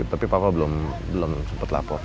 tapi papa belum sempat lapor